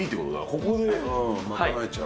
ここで賄えちゃう。